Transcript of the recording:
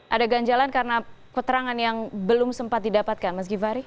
ada ganjalan karena keterangan yang belum sempat didapatkan mas givhary